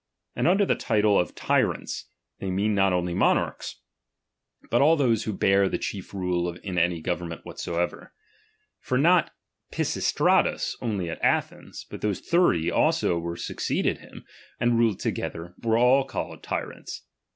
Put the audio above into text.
And under the title of tyrants, they mean not only monarchs, but all those vi^ho bear the chief rule in any go vernment what;~oever ; for not Pisistratus only at Athens, but those Thirty also who succeeded him, and ruled together, were all called tyrants.